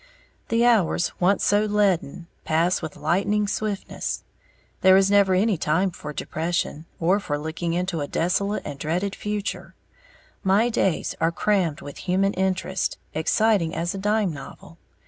The hours, once so leaden, pass with lightning swiftness; there is never any time for depression, or for looking into a desolate and dreaded future; my days are crammed with human interest, exciting as a dime novel.